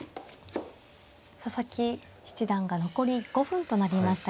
佐々木七段が残り５分となりました。